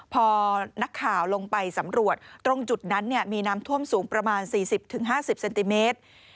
พอนักข่าวลงไปสำรวจตรงจุดนั้นมีน้ำท่วมสูงประมาณ๔๐๕๐เซนติเมตร